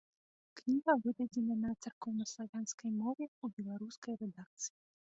Кніга выдадзена на царкоўнаславянскай мове ў беларускай рэдакцыі.